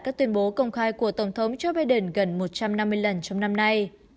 các tuyên bố công khai của tổng thống joe biden gần một trăm năm mươi lần trong năm nay